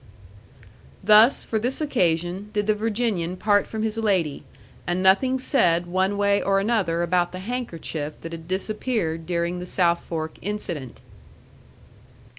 Thus, for this occasion, did the Virginian part from his lady and nothing said one way or another about the handkerchief that had disappeared during the South Fork incident.